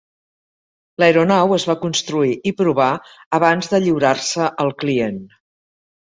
L'aeronau es va construir i provar abans de lliurar-se al client.